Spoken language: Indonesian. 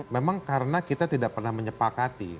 memang karena kita tidak pernah menyepakati